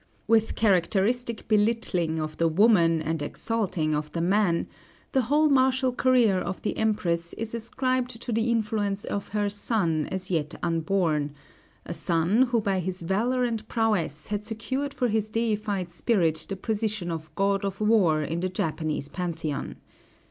With characteristic belittling of the woman and exalting of the man, the whole martial career of the Empress is ascribed to the influence of her son as yet unborn, a son who by his valor and prowess has secured for his deified spirit the position of God of War in the Japanese pantheon.